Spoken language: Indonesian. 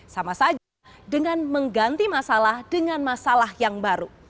sama saja dengan mengganti masalah dengan masalah yang baru